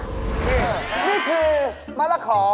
นี่คือมะละก่อ